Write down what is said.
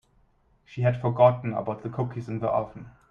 She had forgotten about the cookies in the oven.